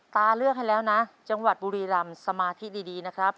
ตาเลือกให้แล้วนะจังหวัดบุรีรำสมาธิดีนะครับ